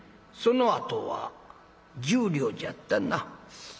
そのあとは１０両じゃったな。